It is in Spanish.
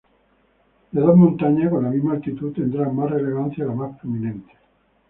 De dos montañas con la misma altitud, tendrá más relevancia la más prominente.